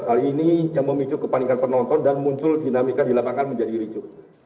hal ini yang memicu kepanikan penonton dan muncul dinamika di lapangan menjadi ricu